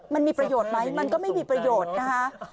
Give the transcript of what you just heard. มันมีประโยชน์ไหมมันก็ไม่มีประโยชน์นะคะ